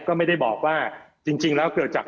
ก็ไม่ได้บอกว่าจริงแล้วเกิดจาก